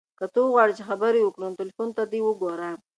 که ته غواړې چې خبرې وکړو نو تلیفون دې ته وګوره.